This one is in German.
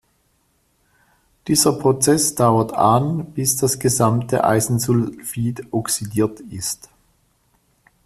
Dieser Prozess dauert an, bis das gesamte Eisensulfid oxidiert ist.